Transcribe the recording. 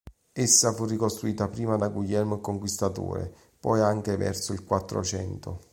Essa fu ricostruita prima da Guglielmo il Conquistatore, poi anche verso il Quattrocento.